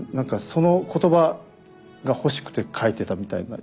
その言葉が欲しくて書いてたみたいな。